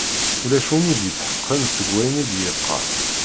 Ulac win i d-yetḥeqqen seg wayen i d-yeqqar.